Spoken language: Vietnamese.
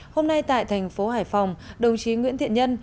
hôm nay tại thành phố hải phòng đồng chí nguyễn thiện nhân